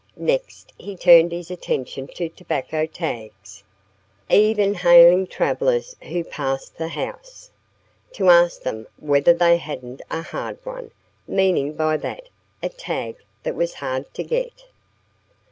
Next he turned his attention to tobacco tags, even hailing travellers who passed the house, to ask them whether they hadn't a "hard one," meaning by that a tag that was hard to get.